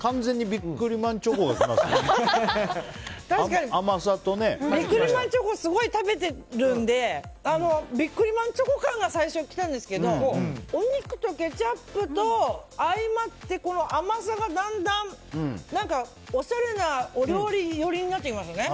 ビックリマンチョコすごい食べてるのでビックリマンチョコ感が最初にきたんですけれどもお肉とケチャップと相まってこの甘さがだんだん何か、おしゃれなお料理寄りになってきますね。